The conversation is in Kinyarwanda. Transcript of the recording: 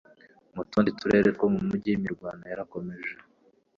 Mu tundi turere two mu mujyi imirwano yarakomeje